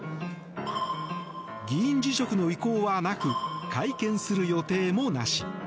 議員辞職の意向はなく会見する予定もなし。